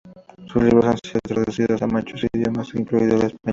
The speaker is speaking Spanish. Sus libros han sido traducidos a muchos idiomas, incluido el español.